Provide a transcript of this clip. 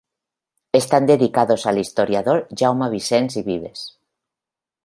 Están dedicados al historiador Jaume Vicens i Vives.